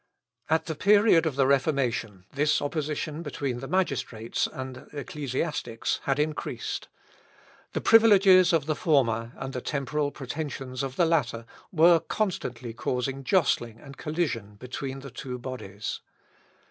At the period of the Reformation this opposition between the magistrates and ecclesiastics had increased. The privileges of the former, and the temporal pretensions of the latter, were constantly causing jostling and collision between the two bodies.